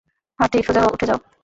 হ্যাঁ ঠিক - সোজা উঠে যাও।